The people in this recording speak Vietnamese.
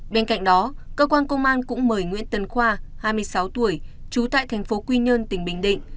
bên cạnh đó cơ quan công an cũng mời nguyễn tấn khoa hai mươi sáu tuổi trú tại thành phố quy nhơn tỉnh bình định